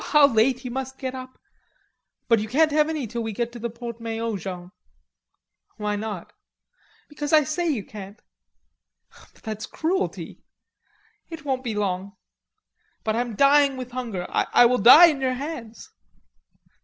"How late you must get up!... But you can't have any till we get to the Porte Maillot, Jean." "Why not?" "Because I say you can't." "But that's cruelty." "It won't be long." "But I am dying with hunger. I will die in your hands."